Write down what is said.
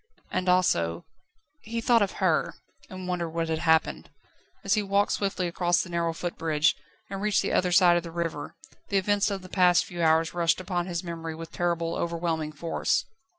And also ... He thought of her, and wondered what had happened. As he walked swiftly across the narrow footbridge, and reached the other side of the river, the events of the past few hours rushed upon his memory with terrible, overwhelming force.